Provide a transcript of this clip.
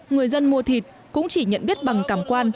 người dân mua thịt cũng chỉ nhận biết bằng cảm quan